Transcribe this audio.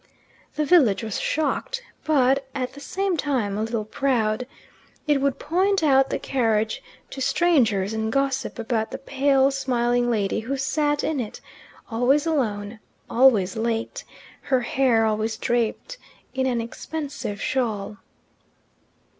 The village was shocked, but at the same time a little proud; it would point out the carriage to strangers and gossip about the pale smiling lady who sat in it, always alone, always late, her hair always draped in an expensive shawl.